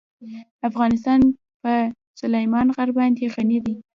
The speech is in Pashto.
افغانستان په سلیمان غر باندې غني دی.